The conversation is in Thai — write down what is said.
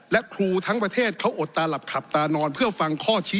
และครูทั้งประเทศเขาอดตาหลับขับตานอน